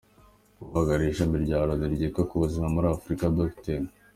Uhagarariye Ishami rya Loni ryita ku buzima muri Afurika Dr.